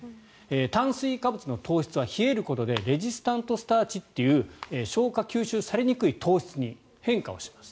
炭水化物の糖質は冷えることでレジスタントスターチという消化・吸収されにくい糖質に変化をします。